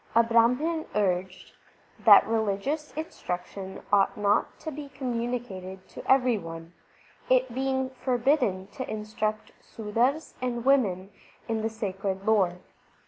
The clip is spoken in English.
A Brahman urged : That religious instruction ought not to be communicated to every one, it being forbidden to instruct Sudars and women in the sacred lore.